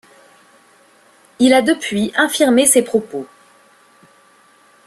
Il a depuis infirmé ces propos.